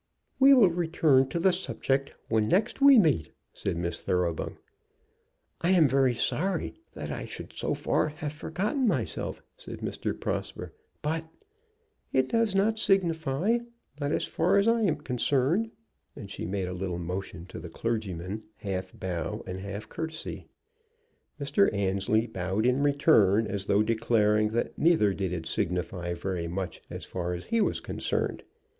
"We will return to the subject when next we meet," said Miss Thoroughbung. "I am very sorry that I should so far have forgotten myself," said Mr. Prosper, "but " "It does not signify, not as far as I am concerned;" and she made a little motion to the clergyman, half bow and half courtesy. Mr. Annesley bowed in return, as though declaring that neither did it signify very much as far as he was concerned.